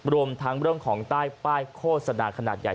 รวมทั้งเรื่องของใต้ป้ายโฆษณาขนาดใหญ่